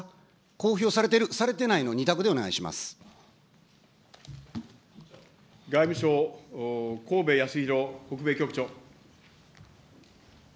公表されてる、されてないの２択外務省、河邉賢裕北米局長。